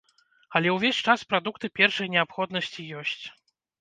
Але ўвесь час прадукты першай неабходнасці ёсць.